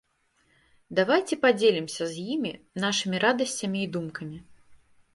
Давайце падзелімся з імі нашымі радасцямі і думкамі.